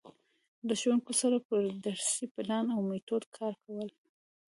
له ښـوونکو سره پر درسي پـلان او میتود کـار کول.